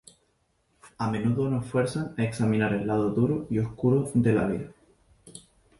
A menudo nos fuerzan a examinar el lado duro y oscuro de la vida.